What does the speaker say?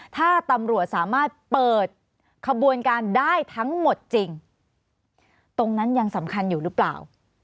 ถ้าตำรวจสามารถเปิดขบวนการได้ทั้งหมดจริงตรงนั้นยังสำคัญอยู่หรือเปล่า